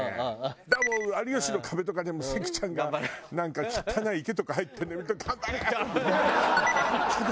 だからもう『有吉の壁』とかでも関ちゃんがなんか汚い池とか入ってるの見ると「頑張れ！」って言ってね。